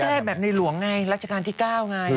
ก็ต้องแก้แบบในหลวงไงรัชกาลที่๙ไง